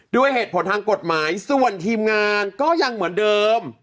ด้วยเหตุผลทางกฎหมายส่วนทีมงานก็ยังเหมือนเดิม